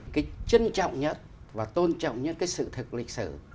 cái chân trọng nhất và tôn trọng nhất cái sự thực lịch sử